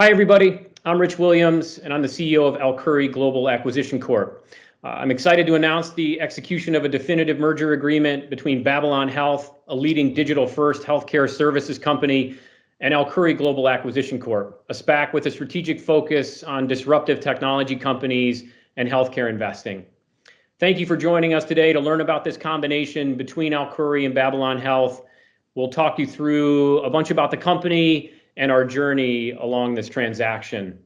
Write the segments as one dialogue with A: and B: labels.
A: Hi everybody. I'm Rich Williams. I'm the CEO of Alkuri Global Acquisition Corp.. I'm excited to announce the execution of a definitive merger agreement between Babylon Health, a leading digital-first healthcare services company, and Alkuri Global Acquisition Corp., a SPAC with a strategic focus on disruptive technology companies and healthcare investing. Thank you for joining us today to learn about this combination between Alkuri and Babylon Health. We'll talk you through a bunch about the company and our journey along this transaction.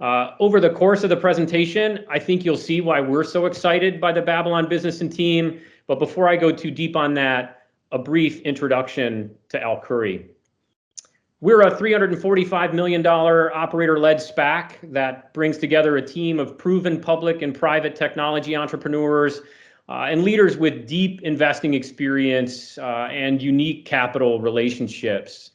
A: Over the course of the presentation, I think you'll see why we're so excited by the Babylon business and team. Before I go too deep on that, a brief introduction to Alkuri. We're a $345 million operator-led SPAC that brings together a team of proven public and private technology entrepreneurs and leaders with deep investing experience and unique capital relationships.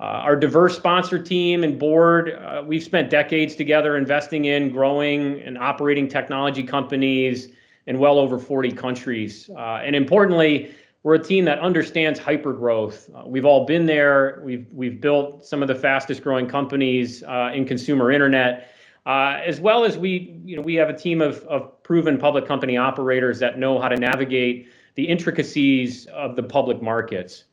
A: Our diverse sponsor team and board, we've spent decades together investing in growing and operating technology companies in well over 40 countries. Importantly, we're a team that understands hypergrowth. We've all been there. We've built some of the fastest-growing companies in consumer internet. As well as we have a team of proven public company operators that know how to navigate the intricacies of the public markets.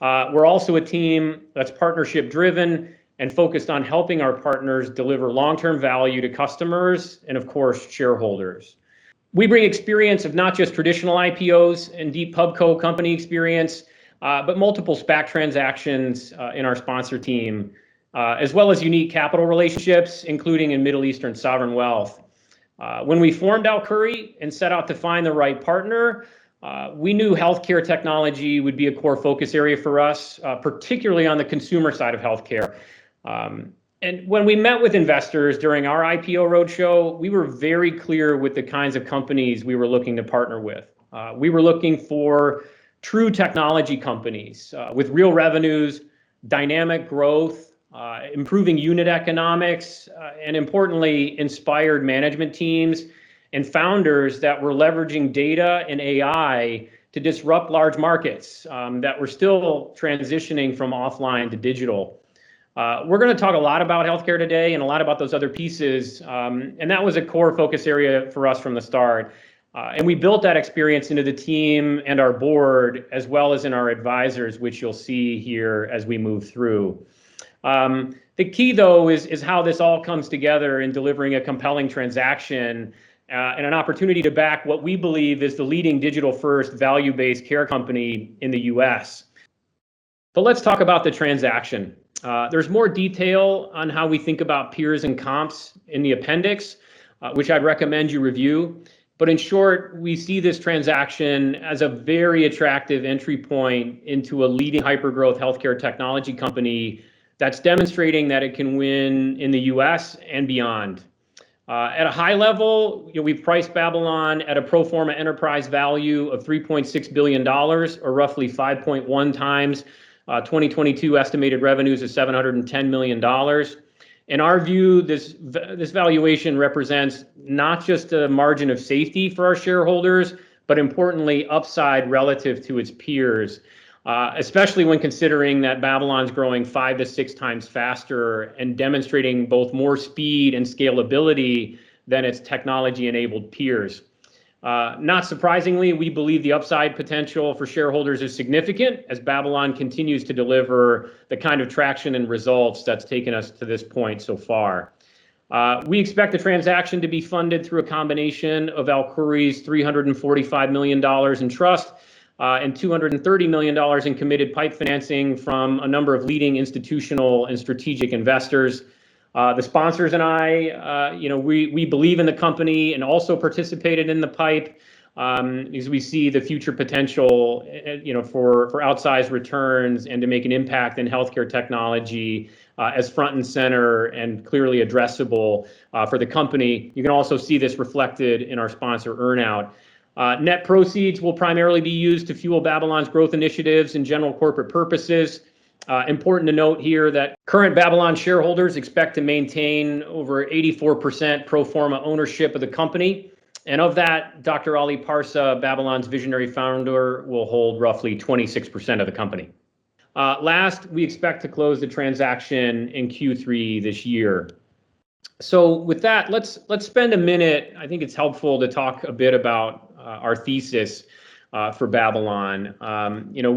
A: We're also a team that's partnership-driven and focused on helping our partners deliver long-term value to customers and, of course, shareholders. We bring experience of not just traditional IPOs and deep pub co company experience, but multiple SPAC transactions in our sponsor team, as well as unique capital relationships, including in Middle Eastern sovereign wealth. When we formed Alkuri and set out to find the right partner, we knew healthcare technology would be a core focus area for us, particularly on the consumer side of healthcare. When we met with investors during our IPO roadshow, we were very clear with the kinds of companies we were looking to partner with. We were looking for true technology companies with real revenues, dynamic growth, improving unit economics, and importantly, inspired management teams and founders that were leveraging data and AI to disrupt large markets that were still transitioning from offline to digital. We're going to talk a lot about healthcare today and a lot about those other pieces. That was a core focus area for us from the start. We built that experience into the team and our board, as well as in our advisors, which you'll see here as we move through. The key, though, is how this all comes together in delivering a compelling transaction and an opportunity to back what we believe is the leading digital-first value-based care company in the U.S. Let's talk about the transaction. There's more detail on how we think about peers and comps in the appendix, which I'd recommend you review. In short, we see this transaction as a very attractive entry point into a leading hypergrowth healthcare technology company that's demonstrating that it can win in the U.S. and beyond. At a high level, we priced Babylon at a pro forma enterprise value of $3.6 billion, or roughly 5.1 times 2022 estimated revenues of $710 million. In our view, this valuation represents not just a margin of safety for our shareholders, but importantly, upside relative to its peers, especially when considering that Babylon's growing five to six times faster and demonstrating both more speed and scalability than its technology-enabled peers. Not surprisingly, we believe the upside potential for shareholders is significant as Babylon continues to deliver the kind of traction and results that's taken us to this point so far. We expect the transaction to be funded through a combination of Alkuri's $345 million in trust and $230 million in committed PIPE financing from a number of leading institutional and strategic investors. The sponsors and I, we believe in the company and also participated in the PIPE as we see the future potential for outsized returns and to make an impact in healthcare technology as front and center and clearly addressable for the company. You can also see this reflected in our sponsor earn-out. Net proceeds will primarily be used to fuel Babylon's growth initiatives and general corporate purposes. Important to note here that current Babylon shareholders expect to maintain over 84% pro forma ownership of the company. Of that, Dr. Ali Parsa, Babylon's visionary founder, will hold roughly 26% of the company. Last, we expect to close the transaction in Q3 this year. With that, let's spend a minute, I think it's helpful to talk a bit about our thesis for Babylon.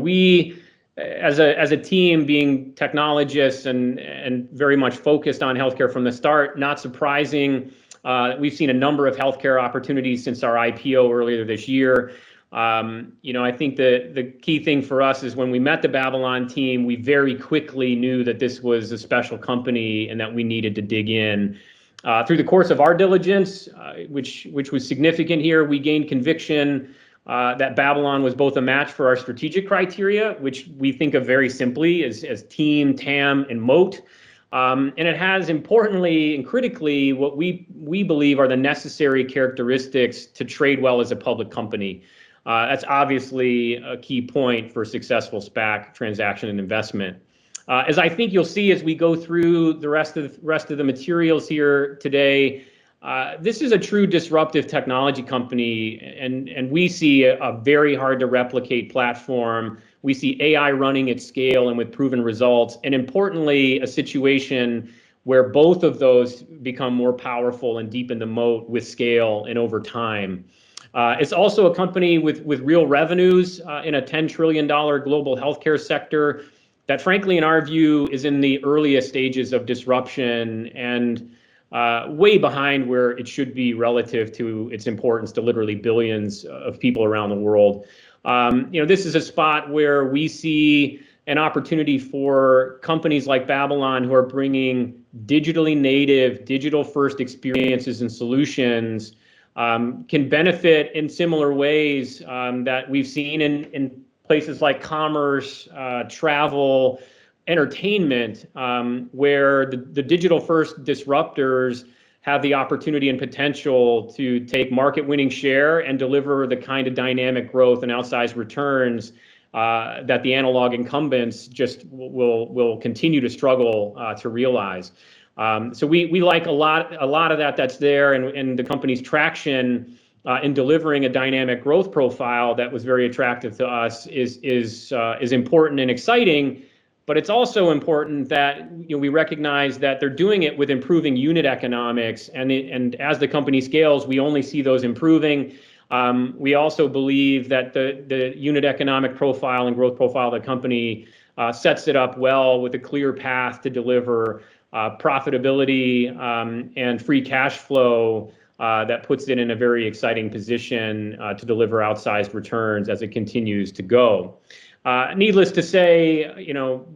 A: We as a team, being technologists and very much focused on healthcare from the start, not surprising, we've seen a number of healthcare opportunities since our IPO earlier this year. I think the key thing for us is when we met the Babylon team, we very quickly knew that this was a special company and that we needed to dig in. Through the course of our diligence, which was significant here, we gained conviction that Babylon was both a match for our strategic criteria, which we think of very simply as team, TAM, and moat. It has importantly and critically what we believe are the necessary characteristics to trade well as a public company. That's obviously a key point for a successful SPAC transaction and investment. As I think you'll see as we go through the rest of the materials here today. This is a true disruptive technology company, and we see a very hard-to-replicate platform. We see AI running at scale and with proven results, importantly, a situation where both of those become more powerful and deepen the moat with scale and over time. It's also a company with real revenues in a $10 trillion global healthcare sector that, frankly, in our view, is in the earliest stages of disruption and way behind where it should be relative to its importance to literally billions of people around the world. This is a spot where we see an opportunity for companies like Babylon, who are bringing digitally native, digital-first experiences and solutions, can benefit in similar ways that we've seen in places like commerce, travel, entertainment, where the digital-first disruptors have the opportunity and potential to take market-winning share and deliver the kind of dynamic growth and outsized returns that the analog incumbents just will continue to struggle to realize. We like a lot of that that's there, and the company's traction in delivering a dynamic growth profile that was very attractive to us is important and exciting. It's also important that we recognize that they're doing it with improving unit economics. As the company scales, we only see those improving. We also believe that the unit economic profile and growth profile of the company sets it up well with a clear path to deliver profitability and free cash flow that puts it in a very exciting position to deliver outsized returns as it continues to go. Needless to say,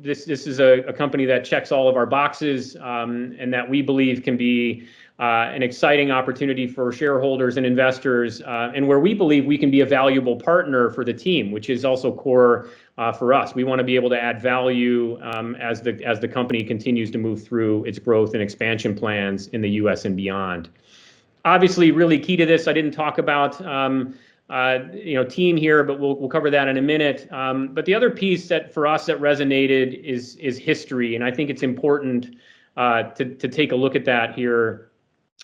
A: this is a company that checks all of our boxes, and that we believe can be an exciting opportunity for shareholders and investors, and where we believe we can be a valuable partner for the team, which is also core for us. We want to be able to add value as the company continues to move through its growth and expansion plans in the U.S. and beyond. Obviously, really key to this, I didn't talk about team here, but we'll cover that in a minute. The other piece for us that resonated is history, and I think it's important to take a look at that here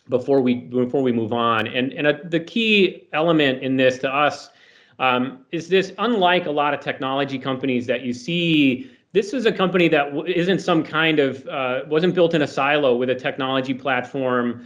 A: before we move on. The key element in this to us is this, unlike a lot of technology companies that you see, this is a company that wasn't built in a silo with a technology platform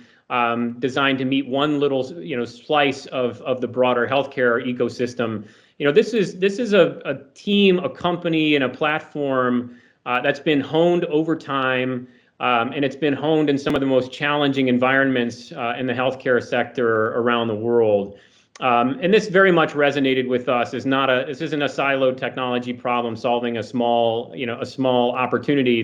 A: designed to meet one little slice of the broader healthcare ecosystem. This is a team, a company, and a platform that's been honed over time, and it's been honed in some of the most challenging environments in the healthcare sector around the world. This very much resonated with us. This isn't a siloed technology problem solving a small opportunity.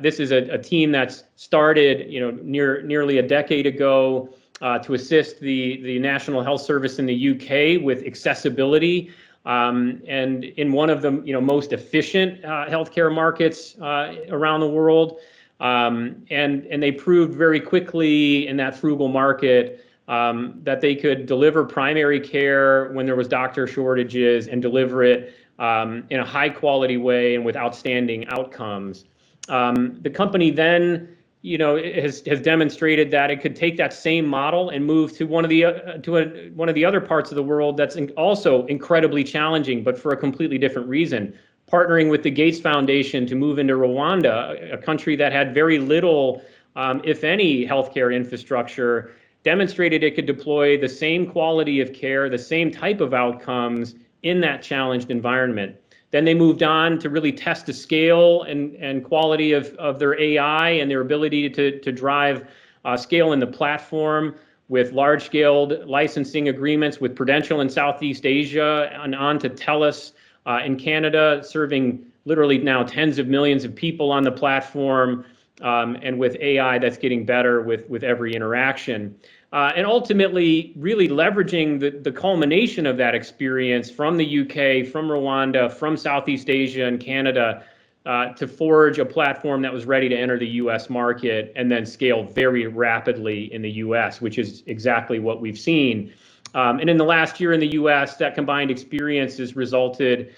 A: This is a team that started nearly a decade ago to assist the National Health Service in the U.K. with accessibility, and in one of the most efficient healthcare markets around the world. They proved very quickly in that frugal market that they could deliver primary care when there was doctor shortages and deliver it in a high-quality way and with outstanding outcomes. The company then has demonstrated that it could take that same model and move to one of the other parts of the world that's also incredibly challenging, but for a completely different reason. Partnering with the Gates Foundation to move into Rwanda, a country that had very little, if any, healthcare infrastructure, demonstrated it could deploy the same quality of care, the same type of outcomes in that challenged environment. They moved on to really test the scale and quality of their AI and their ability to drive scale in the platform with large-scale licensing agreements with Prudential in Southeast Asia, and on to Telus in Canada, serving literally now tens of millions of people on the platform, and with AI that's getting better with every interaction. Ultimately really leveraging the culmination of that experience from the U.K., from Rwanda, from Southeast Asia, and Canada to forge a platform that was ready to enter the U.S. market and then scale very rapidly in the U.S., which is exactly what we've seen. In the last year in the U.S., that combined experience has resulted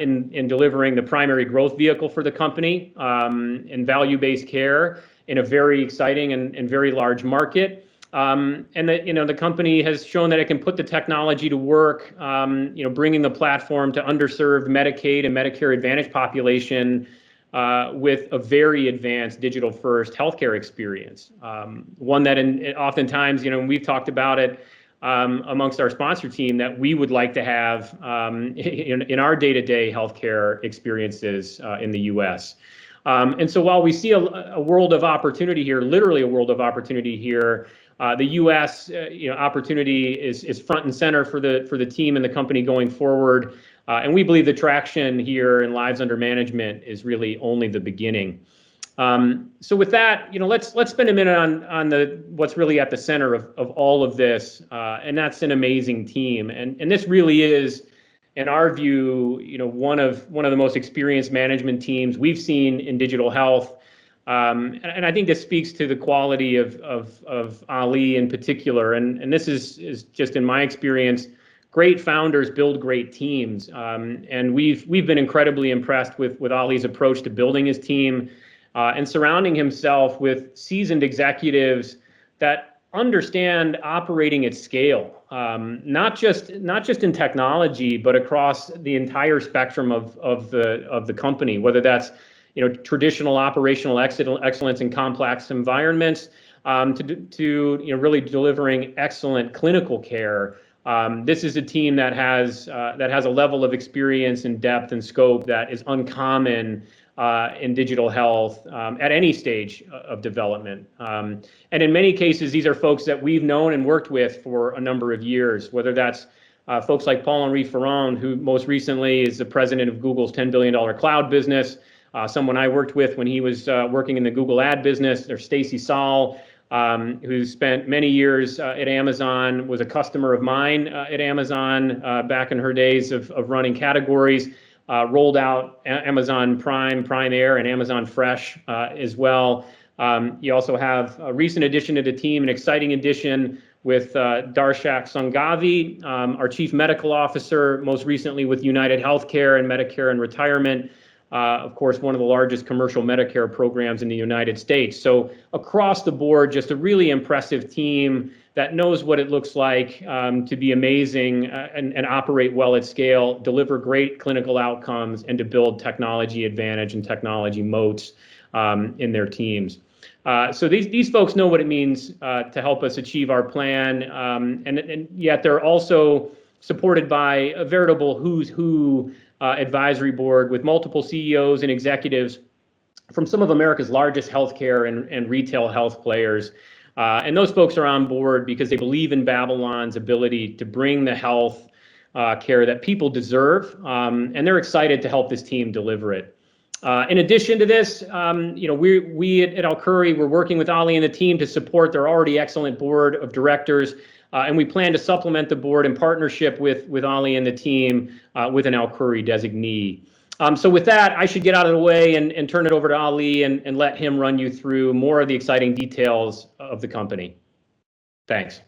A: in delivering the primary growth vehicle for the company in value-based care in a very exciting and very large market. The company has shown that it can put the technology to work bringing the platform to underserved Medicaid and Medicare Advantage population with a very advanced digital-first healthcare experience. One that oftentimes we've talked about it amongst our sponsor team that we would like to have in our day-to-day healthcare experiences in the U.S. While we see a world of opportunity here, literally a world of opportunity here, the U.S. opportunity is front and center for the team and the company going forward. We believe the traction here in lives under management is really only the beginning. With that, let's spend a minute on what's really at the center of all of this, and that's an amazing team. This really is in our view, one of the most experienced management teams we've seen in digital health. I think this speaks to the quality of Ali in particular. This is just in my experience, great founders build great teams. We've been incredibly impressed with Ali's approach to building his team, surrounding himself with seasoned executives that understand operating at scale. Not just in technology, but across the entire spectrum of the company, whether that's traditional operational excellence in complex environments, to really delivering excellent clinical care. This is a team that has a level of experience and depth and scope that is uncommon in digital health, at any stage of development. In many cases, these are folks that we've known and worked with for a number of years, whether that's folks like Paul-Henri Ferrand, who most recently is the President of Google's $10 billion Cloud business, someone I worked with when he was working in the Google Ad business. There's Stacy Saal, who spent many years at Amazon, was a customer of mine at Amazon back in her days of running categories. Rolled out Amazon Prime Air, and Amazon Fresh as well. You also have a recent addition to the team, an exciting addition with Darshak Sanghavi, our Chief Medical Officer, most recently with UnitedHealthcare in Medicare and retirement, of course, one of the largest commercial Medicare programs in the U.S. Across the board, just a really impressive team that knows what it looks like to be amazing and operate well at scale, deliver great clinical outcomes, and to build technology advantage and technology moats in their teams. Yet they're also supported by a veritable who's who advisory board with multiple CEOs and executives from some of America's largest healthcare and retail health players. Those folks are on board because they believe in Babylon's ability to bring the healthcare that people deserve. They're excited to help this team deliver it. In addition to this, we at Alkuri, we're working with Ali and the team to support their already excellent board of directors, and we plan to supplement the board in partnership with Ali and the team, with an Alkuri designee. With that, I should get out of the way and turn it over to Ali and let him run you through more of the exciting details of the company. Thanks.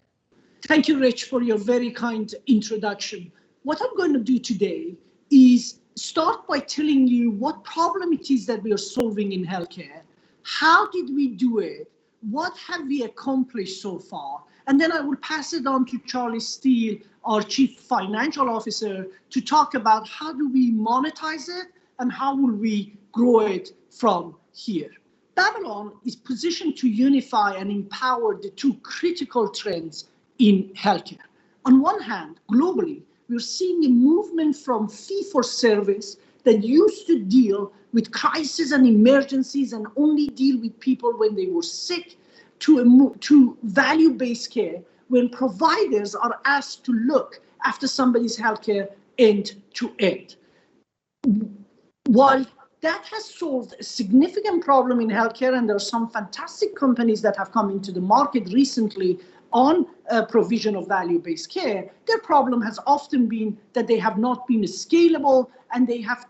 B: Thank you, Rich, for your very kind introduction. What I'm going to do today is start by telling you what problem it is that we are solving in healthcare. How did we do it? What have we accomplished so far? I will pass it on to Charlie Steel, our Chief Financial Officer, to talk about how do we monetize it and how will we grow it from here. Babylon is positioned to unify and empower the two critical trends in healthcare. On one hand, globally, you're seeing a movement from fee for service that used to deal with crisis and emergencies and only deal with people when they were sick, to value-based care, when providers are asked to look after somebody's healthcare end to end. While that has solved a significant problem in healthcare, and there are some fantastic companies that have come into the market recently on provision of value-based care, their problem has often been that they have not been as scalable, and they have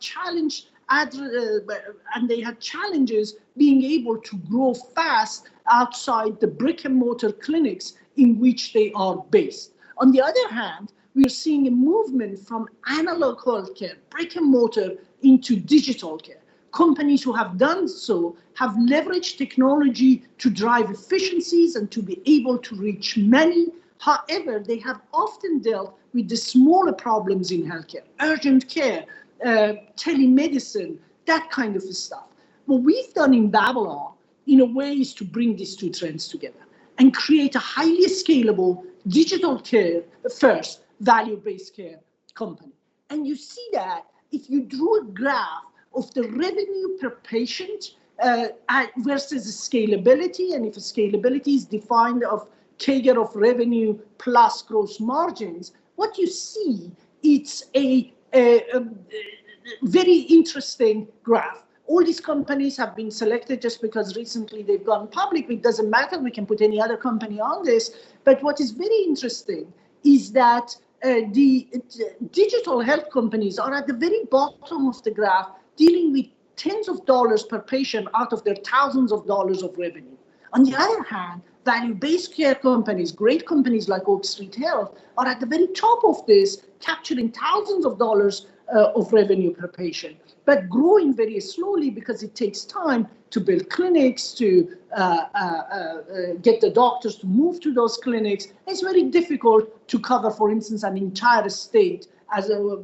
B: challenges being able to grow fast outside the brick-and-mortar clinics in which they are based. On the other hand, we are seeing a movement from analog healthcare, brick and mortar, into digital care. Companies who have done so have leveraged technology to drive efficiencies and to be able to reach many. However, they have often dealt with the smaller problems in healthcare, urgent care, telemedicine, that kind of stuff. What we've done in Babylon in a way is to bring these two trends together and create a highly scalable digital care first, value-based care company. You see that if you draw a graph of the revenue per patient, versus the scalability, and if the scalability is defined of trigger of revenue plus gross margins, what you see, it's a very interesting graph. All these companies have been selected just because recently they've gone public, but it doesn't matter, we can put any other company on this. What is very interesting is that the digital health companies are at the very bottom of the graph, dealing with tens of dollars per patient out of their thousands of dollars of revenue. On the other hand, value-based care companies, great companies like Oak Street Health, are at the very top of this, capturing thousands of dollars of revenue per patient, but growing very slowly because it takes time to build clinics, to get the doctors to move to those clinics. It's very difficult to cover, for instance, an entire state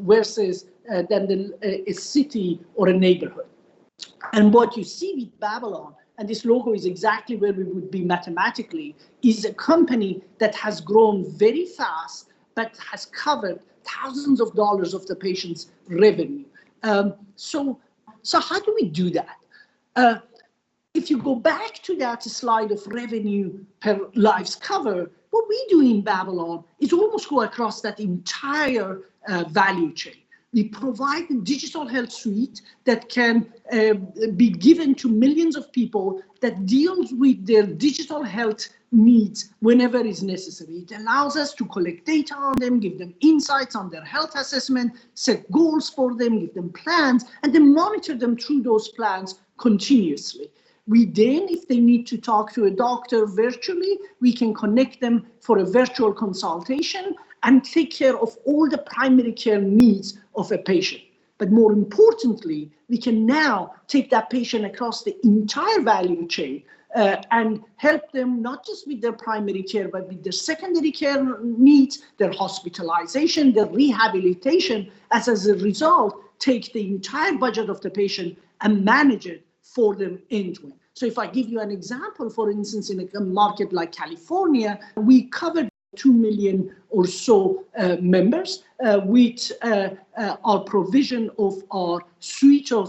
B: versus a city or a neighborhood. What you see with Babylon, and this logo is exactly where we would be mathematically, is a company that has grown very fast but has covered thousands of dollars of the patient's revenue. How do we do that? If you go back to that slide of revenue life's cover, what we do in Babylon is almost go across that entire value chain. We provide a digital health suite that can be given to millions of people that deals with their digital health needs whenever is necessary. It allows us to collect data on them, give them insights on their health assessment, set goals for them, give them plans, and then monitor them through those plans continuously. If they need to talk to a doctor virtually, we can connect them for a virtual consultation and take care of all the primary care needs of a patient. More importantly, we can now take that patient across the entire value chain and help them not just with their primary care, but with their secondary care needs, their hospitalization, their rehabilitation, as a result, take the entire budget of the patient and manage it for them end to end. If I give you an example, for instance, in a market like California, we covered 2 million or so members with our provision of our suite of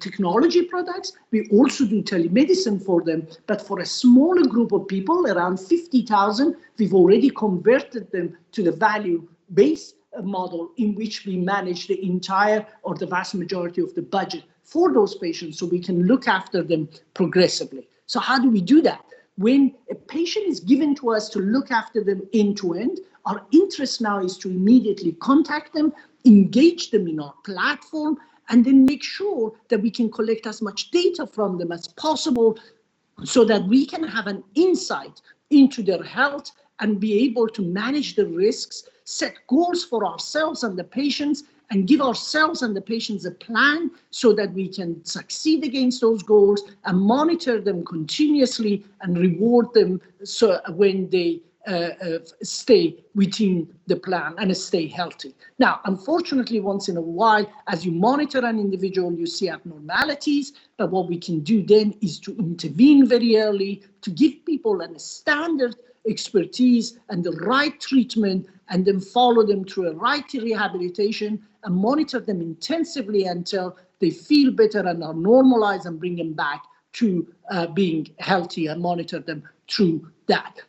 B: technology products. We also do telemedicine for them. For a smaller group of people, around 50,000, we've already converted them to the value-based model in which we manage the entire or the vast majority of the budget for those patients so we can look after them progressively. How do we do that? When a patient is given to us to look after them end to end, our interest now is to immediately contact them, engage them in our platform, and then make sure that we can collect as much data from them as possible so that we can have an insight into their health and be able to manage the risks, set goals for ourselves and the patients, and give ourselves and the patients a plan so that we can succeed against those goals and monitor them continuously and reward them when they stay within the plan and stay healthy. Unfortunately, once in a while, as you monitor an individual and you see abnormalities, that what we can do then is to intervene very early to give people a standard expertise and the right treatment and then follow them through the right rehabilitation and monitor them intensively until they feel better and are normalized and bring them back to being healthy and monitor them through that.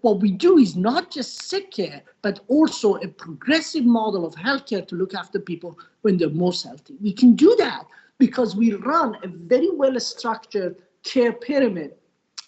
B: What we do is not just sick care, but also a progressive model of healthcare to look after people when they're most healthy. We can do that because we run a very well-structured care pyramid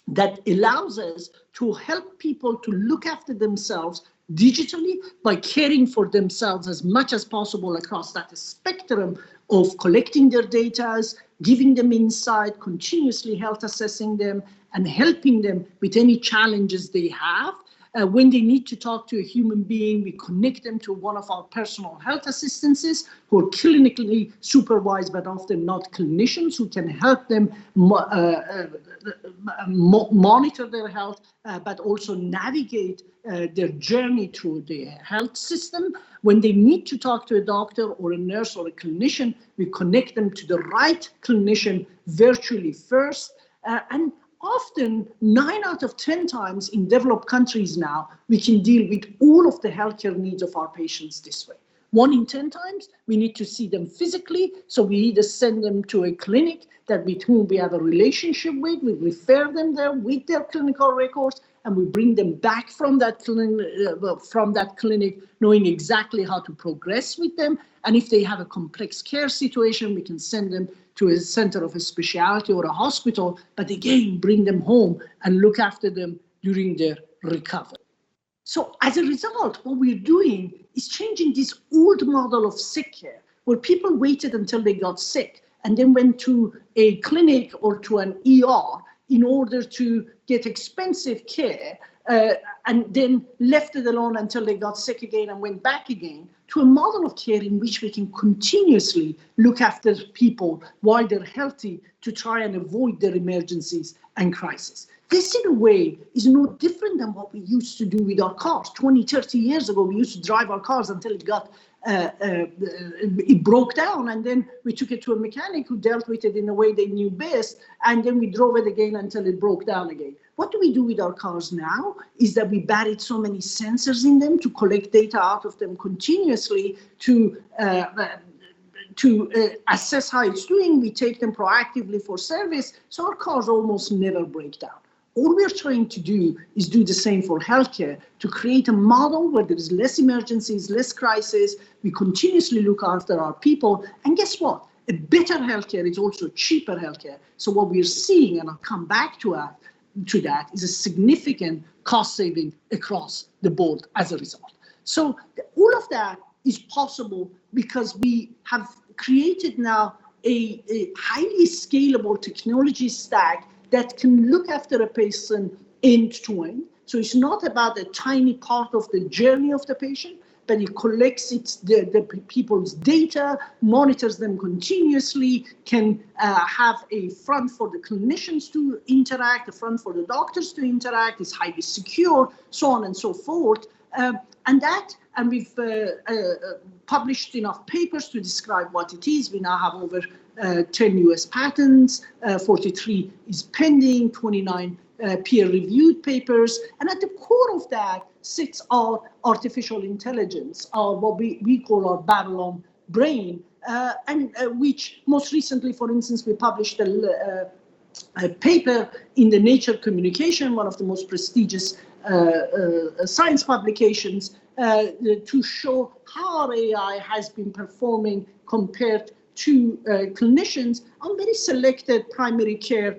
B: that allows us to help people to look after themselves digitally by caring for themselves as much as possible across that spectrum of collecting their data, giving them insight, continuously health assessing them, and helping them with any challenges they have. When they need to talk to a human being, we connect them to one of our personal health assistants who are clinically supervised, but often not clinicians who can help them monitor their health, but also navigate their journey through the health system. When they need to talk to a doctor or a nurse or a clinician, we connect them to the right clinician virtually first. Often, nine out of 10 times in developed countries now, we can deal with all of the healthcare needs of our patients this way. One in 10 times, we need to see them physically, so we need to send them to a clinic that we have a relationship with. We refer them there with their clinical records, and we bring them back from that clinic knowing exactly how to progress with them. If they have a complex care situation, we can send them to a center of a specialty or a hospital, but again bring them home and look after them during their recovery. As a result, what we're doing is changing this old model of sick care where people waited until they got sick and then went to a clinic or to an ER in order to get expensive care, and then left it alone until they got sick again and went back again, to a model of care in which we can continuously look after people while they're healthy to try and avoid their emergencies and crises. This in a way is no different than what we used to do with our cars. 20, 30 years ago, we used to drive our cars until it broke down, and then we took it to a mechanic who dealt with it in a way they knew best, and then we drove it again until it broke down again. What do we do with our cars now is that we buried so many sensors in them to collect data off of them continuously to assess how it's doing. We take them proactively for service so our cars almost never break down. All we are trying to do is do the same for healthcare to create a model where there's less emergencies, less crises. We continuously look after our people. Guess what? A better healthcare is also cheaper healthcare. What we are seeing, and I'll come back to that, is a significant cost saving across the board as a result. All of that is possible because we have created now a highly scalable technology stack that can look after a person end to end. It's not about a tiny part of the journey of the patient, but it collects the people's data, monitors them continuously, can have a front for the clinicians to interact, a front for the doctors to interact. It's highly secure, so on and so forth. We've published enough papers to describe what it is. We now have over 10 U.S. patents, 43 is pending, 29 peer-reviewed papers. At the core of that sits our artificial intelligence, our what we call our Babylon Brain. Which most recently, for instance, we published a paper in the Nature Communications, one of the most prestigious science publications, to show how AI has been performing compared to clinicians on very selected primary care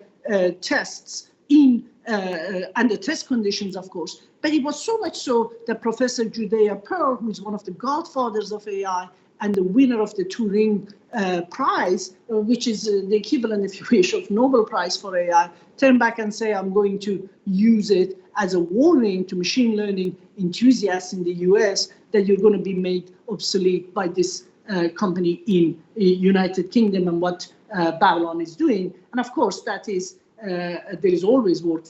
B: tests, under test conditions, of course. It was so much so that Professor Judea Pearl, who's one of the godfathers of AI and the winner of the Turing Prize, which is the equivalent, if you wish, of Nobel Prize for AI, turned back and say, "I'm going to use it as a warning to machine learning enthusiasts in the U.S. that you're going to be made obsolete by this company in U.K. and what Babylon is doing." Of course, there's always work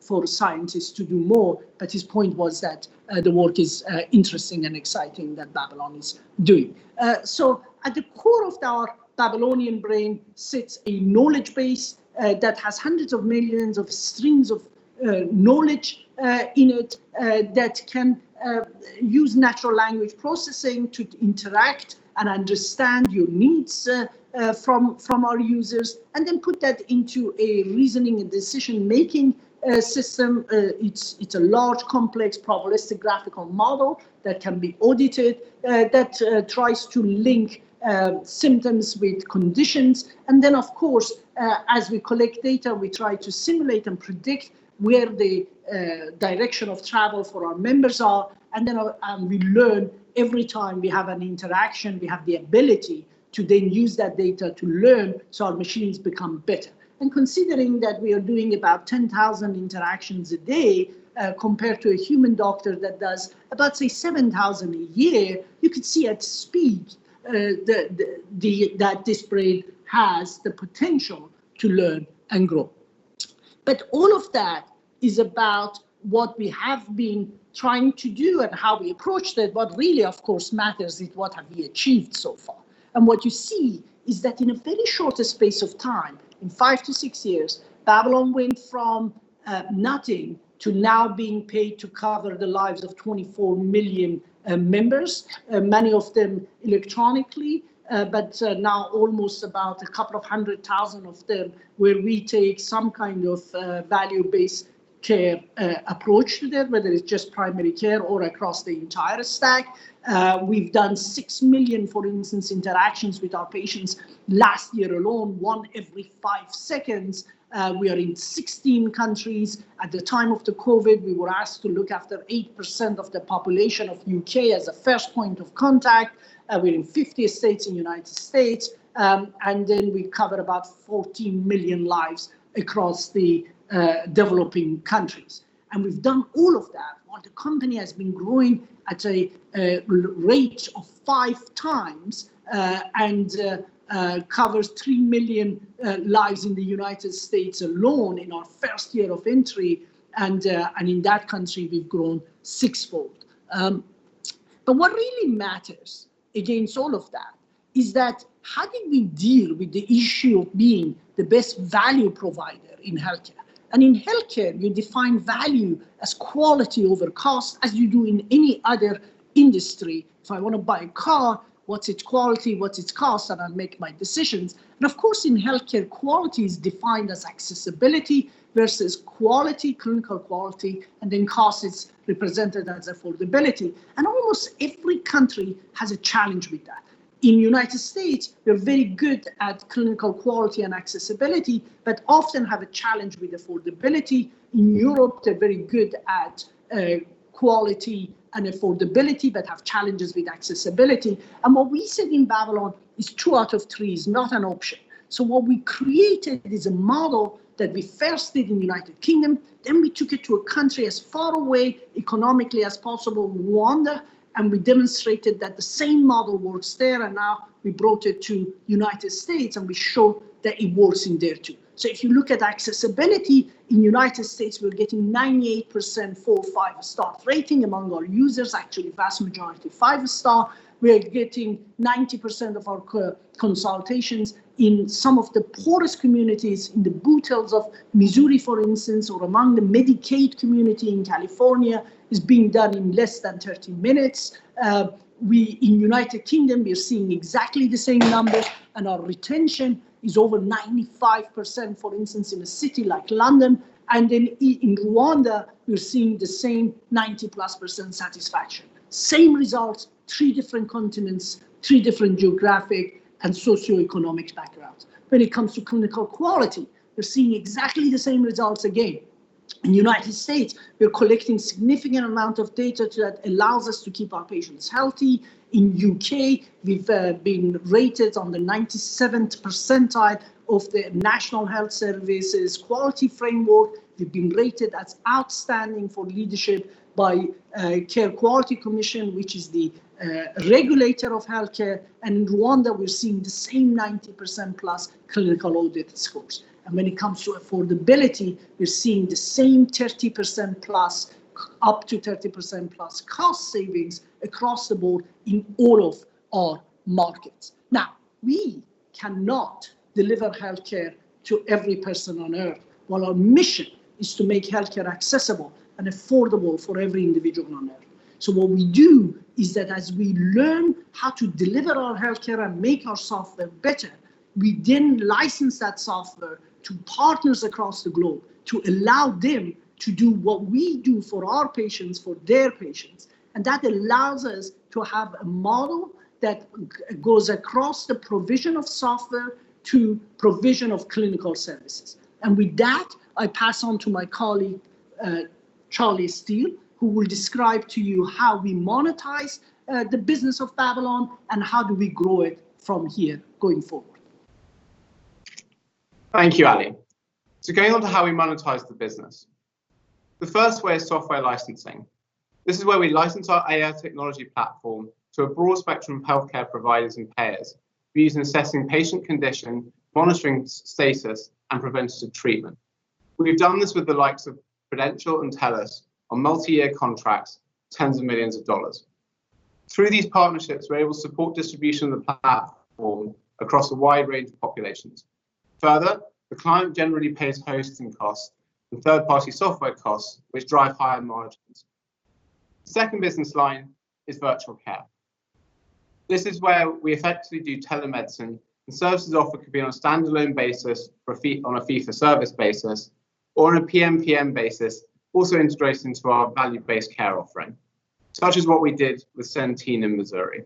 B: for scientists to do more, but his point was that the work is interesting and exciting that Babylon is doing. At the core of our Babylon Brain sits a knowledge base that has hundreds of millions of streams of knowledge in it that can use natural language processing to interact and understand your needs from our users, and then put that into a reasoning and decision-making system. It's a large, complex probabilistic graphical model that can be audited, that tries to link symptoms with conditions. Then, of course, as we collect data, we try to simulate and predict where the direction of travel for our members are. We learn every time we have an interaction, we have the ability to then use that data to learn so our machines become better. Considering that we are doing about 10,000 interactions a day, compared to a human doctor that does about, say, 7,000 a year, you could see at speed that this brain has the potential to learn and grow. All of that is about what we have been trying to do and how we approached it. What really, of course, matters is what have we achieved so far. What you see is that in a very short space of time, in five to six years, Babylon went from nothing to now being paid to cover the lives of 24 million members, many of them electronically. Now almost about a couple of hundred thousand of them, where we take some kind of value-based care approach to them, whether it's just primary care or across the entire stack. We've done 6 million, for instance, interactions with our patients last year alone, one every five seconds. We are in 16 countries. At the time of the COVID, we were asked to look after 8% of the population of U.K. as a first point of contact. We're in 50 states in the United States. We cover about 14 million lives across the developing countries. We've done all of that while the company has been growing at a rate of five times, and covers 3 million lives in the United States alone in our first year of entry. In that country, we've grown sixfold. What really matters against all of that is that how do we deal with the issue of being the best value provider in healthcare? In healthcare, we define value as quality over cost, as you do in any other industry. If I want to buy a car, what's its quality? What's its cost? I make my decisions. Of course, in healthcare, quality is defined as accessibility versus quality, clinical quality, and then cost is represented as affordability. Almost every country has a challenge with that. In United States, they're very good at clinical quality and accessibility, but often have a challenge with affordability. In Europe, they're very good at quality and affordability, but have challenges with accessibility. What we said in Babylon is two out of three is not an option. What we created is a model that we first did in the United Kingdom, then we took it to a country as far away economically as possible, Rwanda, and we demonstrated that the same model works there. Now we brought it to United States, and we show that it works in there, too. If you look at accessibility in the U.S., we're getting 98% four or five-star rating among our users. Actually, vast majority five-star. We are getting 90% of our consultations in some of the poorest communities, in the Bootheel of Missouri, for instance, or among the Medicaid community in California, is being done in less than 30 minutes. We, in the U.K., we are seeing exactly the same numbers, and our retention is over 95%, for instance, in a city like London. In Rwanda, we're seeing the same 90+% satisfaction. Same results, three different continents, three different geographic and socioeconomic backgrounds. When it comes to clinical quality, we're seeing exactly the same results again. In the U.S., we're collecting significant amount of data that allows us to keep our patients healthy. In the U.K., we've been rated on the 97th percentile of the National Health Services Quality Framework. We've been rated as outstanding for leadership by Care Quality Commission, which is the regulator of healthcare. In Rwanda, we're seeing the same 90%-plus clinical audit scores. When it comes to affordability, we're seeing the same 30%-plus, up to 30%-plus cost savings across the board in all of our markets. We cannot deliver healthcare to every person on Earth. While our mission is to make healthcare accessible and affordable for every individual on Earth. What we do is that as we learn how to deliver our healthcare and make our software better, we then license that software to partners across the globe to allow them to do what we do for our patients, for their patients. That allows us to have a model that goes across the provision of software to provision of clinical services. With that, I pass on to my colleague, Charlie Steel, who will describe to you how we monetize the business of Babylon, and how do we grow it from here going forward.
C: Thank you, Ali. Going on to how we monetize the business. The first way is software licensing. This is where we license our AI technology platform to a broad spectrum of healthcare providers and payers. We use it in assessing patient condition, monitoring status, and preventative treatment. We've done this with the likes of Prudential and Telus on multi-year contracts, tens of millions of dollars. Through these partnerships, we're able to support distribution of the platform across a wide range of populations. Further, the client generally pays hosting costs and third-party software costs, which drive higher margins. Second business line is virtual care. This is where we effectively do telemedicine, and services offered can be on a standalone basis or on a fee for service basis, or on a PMPM basis, also integrating into our value-based care offering, such as what we did with Centene in Missouri.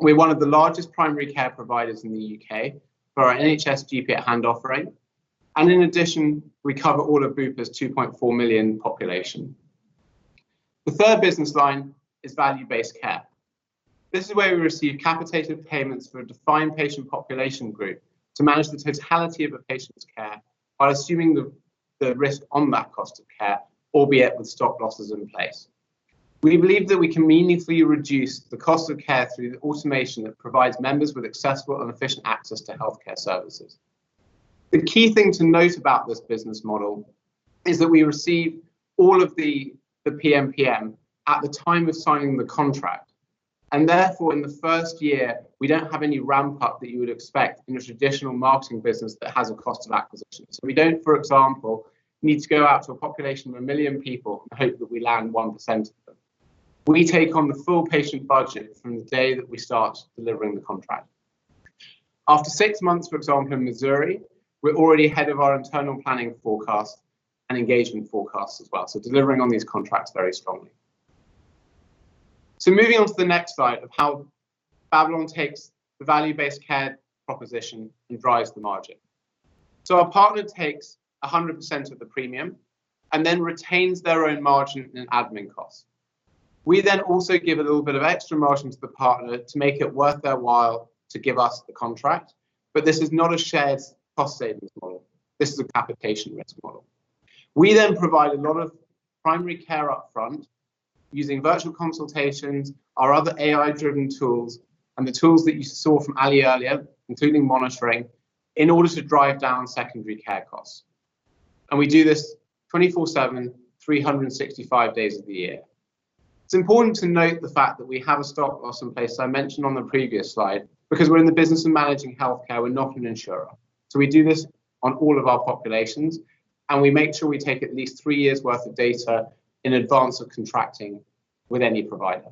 C: We're one of the largest primary care providers in the U.K. for our NHS GP at Hand offering, and in addition, we cover all of Bupa's 2.4 million population. The third business line is value-based care. This is where we receive capitated payments for a defined patient population group to manage the totality of a patient's care by assuming the risk on that cost of care, albeit with stop losses in place. We believe that we can meaningfully reduce the cost of care through the automation that provides members with accessible and efficient access to healthcare services. The key thing to note about this business model is that we receive all of the PMPM at the time of signing the contract. Therefore, in the first year, we don't have any ramp-up that you would expect in a traditional marketing business that has a cost of acquisition. We don't, for example, need to go out to a population of 1 million people and hope that we land 1% of them. We take on the full patient budget from the day that we start delivering the contract. After six months, for example, in Missouri, we're already ahead of our internal planning forecast and engagement forecast as well. Delivering on these contracts very strongly. Moving on to the next slide of how Babylon takes the value-based care proposition and drives the margin. Our partner takes 100% of the premium and then retains their own margin in admin costs. We also give a little bit of extra margin to the partner to make it worth their while to give us the contract. This is not a shared cost savings model. This is a capitation risk model. We provide a lot of primary care up front using virtual consultations, our other AI-driven tools, and the tools that you saw from Ali earlier, including monitoring, in order to drive down secondary care costs. We do this 24/7, 365 days of the year. It's important to note the fact that we have a stop loss in place, as I mentioned on the previous slide, because we're in the business of managing healthcare, we're not an insurer. We do this on all of our populations, and we make sure we take at least three years worth of data in advance of contracting with any provider.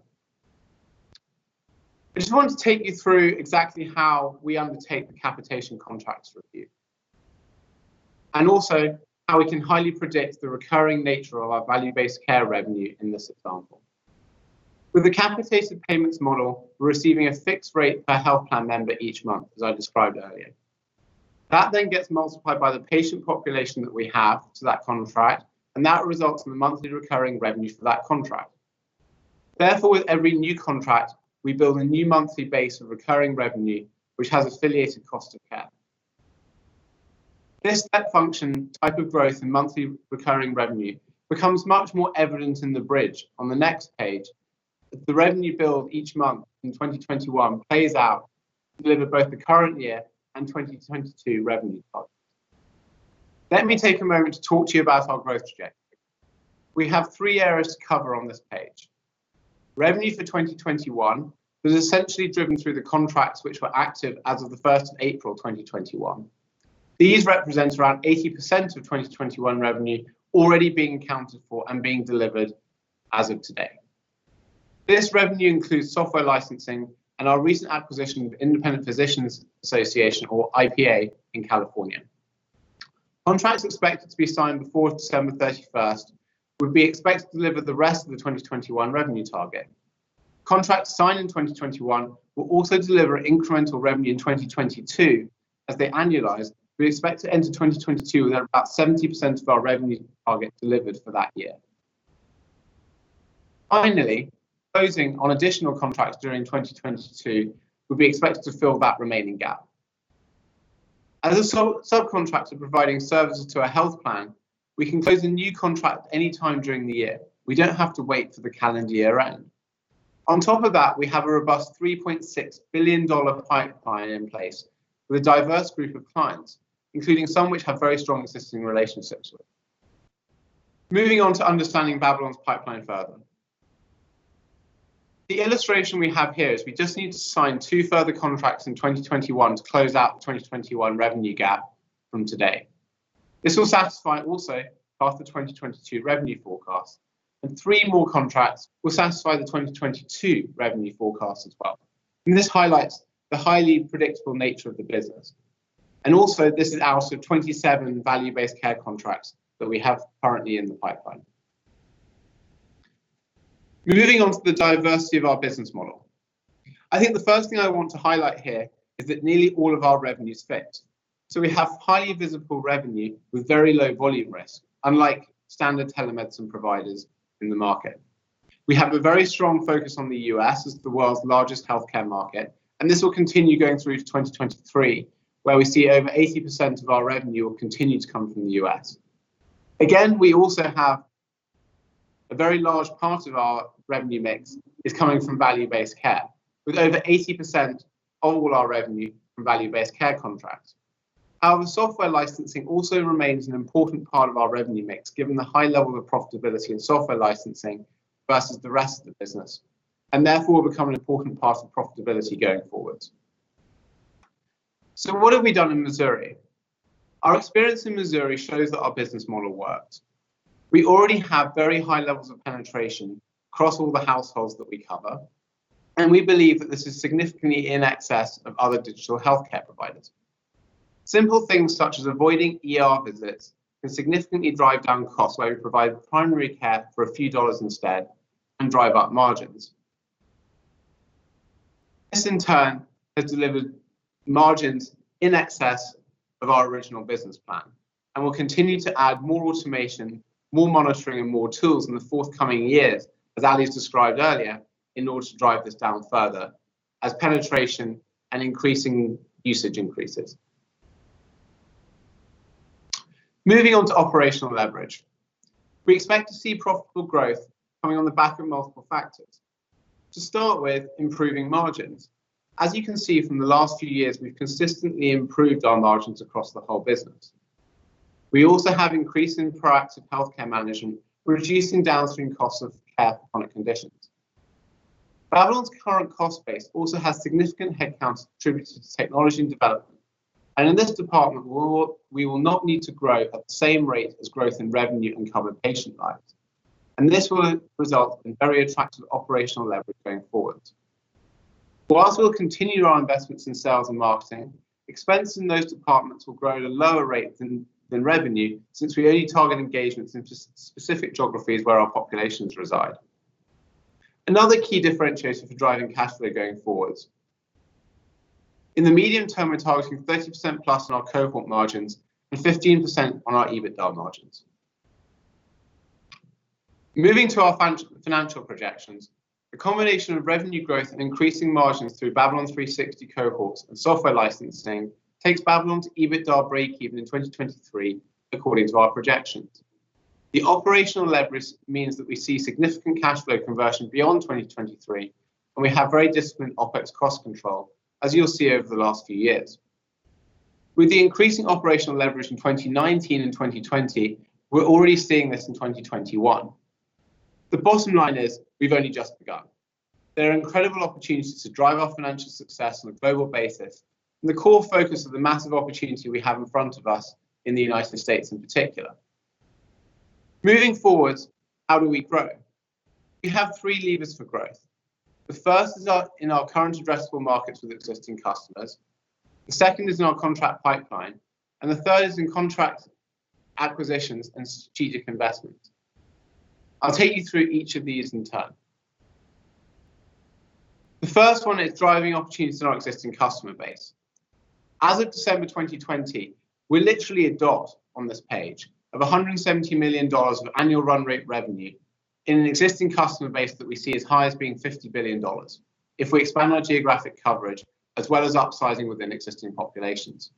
C: I just want to take you through exactly how we undertake the capitation contracts review, and also how we can highly predict the recurring nature of our value-based care revenue in this example. With the capitated payments model, we're receiving a fixed rate per health plan member each month, as I described earlier. That gets multiplied by the patient population that we have for that contract, and that results in the monthly recurring revenue for that contract. With every new contract, we build a new monthly base of recurring revenue, which has affiliated cost of care. This step function type of growth in monthly recurring revenue becomes much more evident in the bridge on the next page, as the revenue billed each month in 2021 plays out to deliver both the current year and 2022 revenue targets. Let me take a moment to talk to you about our growth trajectory. We have three areas to cover on this page. Revenue for 2021 was essentially driven through the contracts which were active as of the 1st of April 2021. These represent around 80% of 2021 revenue already being accounted for and being delivered as of today. This revenue includes software licensing and our recent acquisition of Independent Physician Association, or IPA, in California. Contracts expected to be signed before December 31st would be expected to deliver the rest of the 2021 revenue target. Contracts signed in 2021 will also deliver incremental revenue in 2022 as they annualize. We expect to enter 2022 with about 70% of our revenue target delivered for that year. Finally, closing on additional contracts during 2022 will be expected to fill that remaining gap. As a subcontractor providing services to a health plan, we can close a new contract any time during the year. We don't have to wait for the calendar year end. On top of that, we have a robust $3.6 billion pipeline in place with a diverse group of clients, including some which have very strong existing relationships with. Moving on to understanding Babylon's pipeline further. The illustration we have here is we just need to sign two further contracts in 2021 to close out the 2021 revenue gap from today. This will satisfy also half the 2022 revenue forecast. Three more contracts will satisfy the 2022 revenue forecast as well. This highlights the highly predictable nature of the business. Also, this is out of 27 value-based care contracts that we have currently in the pipeline. Moving on to the diversity of our business model. I think the first thing I want to highlight here is that nearly all of our revenue is fixed. We have highly visible revenue with very low volume risk, unlike standard telemedicine providers in the market. We have a very strong focus on the U.S. as the world's largest healthcare market, and this will continue going through to 2023, where we see over 80% of our revenue will continue to come from the U.S. We also have a very large part of our revenue mix is coming from value-based care, with over 80% of all our revenue from value-based care contracts. Our software licensing also remains an important part of our revenue mix, given the high level of profitability in software licensing versus the rest of the business, and therefore will become an important part of profitability going forward. What have we done in Missouri? Our experience in Missouri shows that our business model works. We already have very high levels of penetration across all the households that we cover, and we believe that this is significantly in excess of other digital healthcare providers. Simple things such as avoiding ER visits can significantly drive down costs while we provide primary care for a few dollars instead and drive up margins. This, in turn, has delivered margins in excess of our original business plan and will continue to add more automation, more monitoring, and more tools in the forthcoming years, as Ali described earlier, in order to drive this down further as penetration and increasing usage increases. Moving on to operational leverage. We expect to see profitable growth coming on the back of multiple factors. To start with, improving margins. As you can see from the last few years, we've consistently improved our margins across the whole business. We also have increasing proactive healthcare management, reducing downstream costs of care for chronic conditions. Babylon's current cost base also has significant headcount attributed to technology development. In this department, we will not need to grow at the same rate as growth in revenue and covered patient lives. This will result in very attractive operational leverage going forward. Whilst we will continue our investments in sales and marketing, expense in those departments will grow at a lower rate than revenue, since we only target engagements into specific geographies where our populations reside. Another key differentiator for driving cash flow going forward. In the medium term, we are targeting 30%+ on our cohort margins and 15% on our EBITDA margins. Moving to our financial projections. A combination of revenue growth and increasing margins through Babylon 360 cohorts and software licensing takes Babylon to EBITDA breakeven in 2023 according to our projections. The operational leverage means that we see significant cash flow conversion beyond 2023. We have very disciplined OpEx cost control, as you'll see over the last few years. With the increasing operational leverage in 2019 and 2020, we're already seeing this in 2021. The bottom line is we've only just begun. There are incredible opportunities to drive our financial success on a global basis. The core focus of the massive opportunity we have in front of us in the U.S. in particular. Moving forward, how do we grow? We have three levers for growth. The first is in our current addressable markets with existing customers. The second is in our contract pipeline, and the third is in contract acquisitions and strategic investments. I'll take you through each of these in turn. The first one is driving opportunities in our existing customer base. As of December 2020, we're literally a dot on this page of $170 million of annual run rate revenue in an existing customer base that we see as high as being $50 billion if we expand our geographic coverage, as well as upsizing within existing populations.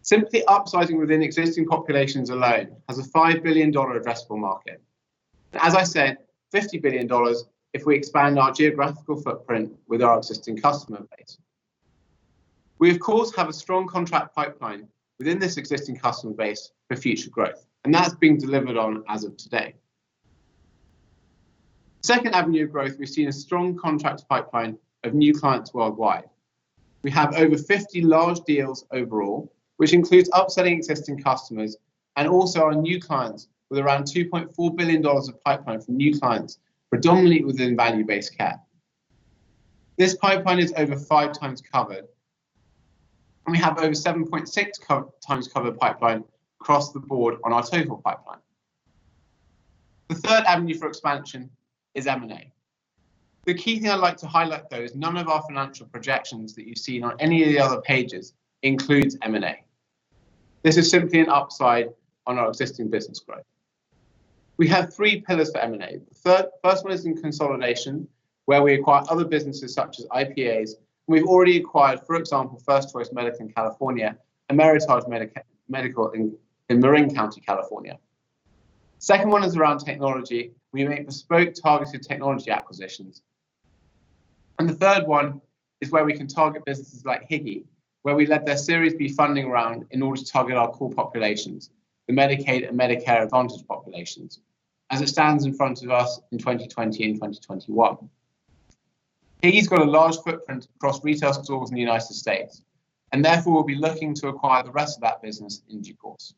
C: Simply upsizing within existing populations alone has a $5 billion addressable market. As I said, $50 billion if we expand our geographical footprint with our existing customer base. We, of course, have a strong contract pipeline within this existing customer base for future growth, and that's being delivered on as of today. Second avenue of growth, we've seen a strong contract pipeline of new clients worldwide. We have over 50 large deals overall, which includes upselling existing customers and also our new clients with around $2.4 billion of pipeline from new clients, predominantly within value-based care. This pipeline is over five times covered, and we have over 7.6 times cover pipeline across the board on our total pipeline. The third avenue for expansion is M&A. The key thing I'd like to highlight, though, is none of our financial projections that you've seen on any of the other pages includes M&A. This is simply an upside on our existing business growth. We have three pillars for M&A. The first one is in consolidation, where we acquire other businesses such as IPAs. We've already acquired, for example, First Choice Medical Group and Meritage Medical Network in Marin County, California. The second one is around technology. We make bespoke targeted technology acquisitions. The third one is where we can target businesses like Higi, where we led their Series B funding round in order to target our core populations, the Medicaid and Medicare Advantage populations, as it stands in front of us in 2020 and 2021. Higi's got a large footprint across retail stores in the U.S., and therefore we'll be looking to acquire the rest of that business in due course.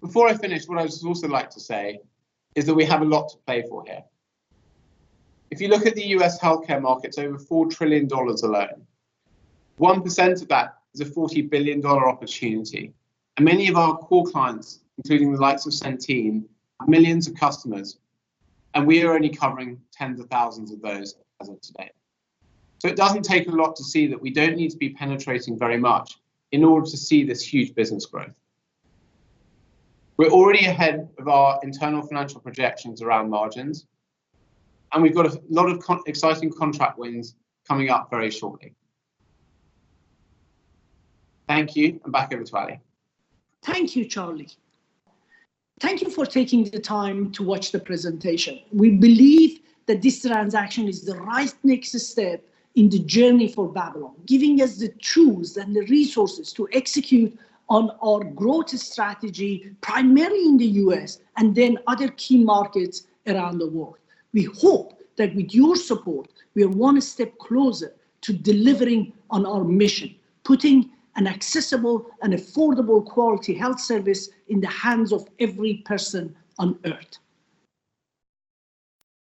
C: Before I finish, what I'd also like to say is that we have a lot to play for here. If you look at the U.S. healthcare market, it's over $4 trillion alone. 1% of that is a $40 billion opportunity. Many of our core clients, including the likes of Centene, have millions of customers, and we are only covering tens of thousands of those as of today. It doesn't take a lot to see that we don't need to be penetrating very much in order to see this huge business growth. We're already ahead of our internal financial projections around margins, and we've got a lot of exciting contract wins coming up very shortly. Thank you, and back over to Ali.
B: Thank you, Charlie. Thank you for taking the time to watch the presentation. We believe that this transaction is the right next step in the journey for Babylon, giving us the tools and the resources to execute on our growth strategy, primarily in the U.S., and then other key markets around the world. We hope that with your support, we are one step closer to delivering on our mission, putting an accessible and affordable quality health service in the hands of every person on Earth.